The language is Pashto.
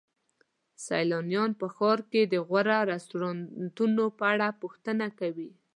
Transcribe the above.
سیلانیان په ښار کې د غوره رستورانتونو په اړه پوښتنه کوي.